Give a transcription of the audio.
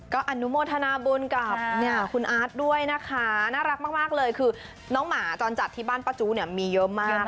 ก็อนุโมทนาบุญกับคุณอาร์ตด้วยนะคะน่ารักมากเลยคือน้องหมาจรจัดที่บ้านป้าจู้เนี่ยมีเยอะมาก